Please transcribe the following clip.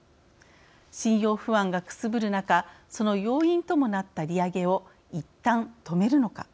信用不安がくすぶる中その要因ともなった利上げをいったん止めるのか。